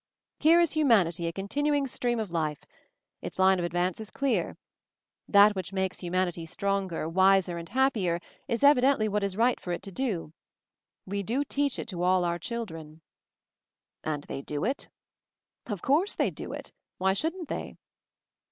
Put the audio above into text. Here is Humanity, a continuing stream of life. Its line of advance is clear. That which makes Humanity stronger, wiser and happier is evidently what is rigit for it to do. We do teach it to all our children." "And they do it?" "Of course they do it. Why shouldn't they?"